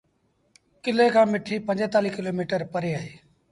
ڪلي کآݩ مٺيٚ پنجيتآليٚه ڪلو ميٚٽر پري اهي۔